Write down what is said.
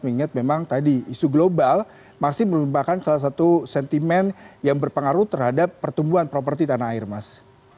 mengingat memang tadi isu global masih merupakan salah satu sentimen yang berpengaruh terhadap pertumbuhan properti tanah air mas